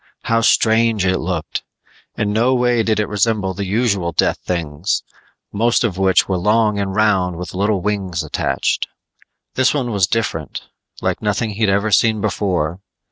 How strange it looked. In no way did it resemble the usual death things, most of which were long and round with little wings attached. This one was different, like nothing he'd ever seen before.